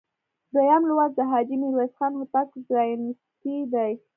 دویم لوست د حاجي میرویس خان هوتک ځایناستي دي.